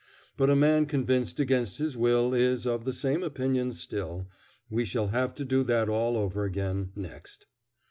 But a man convinced against his will is of the same opinion still; we shall have to do that all over again next.